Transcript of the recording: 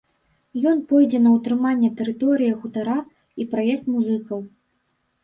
Ён пойдзе на ўтрыманне тэрыторыі хутара і праезд музыкаў.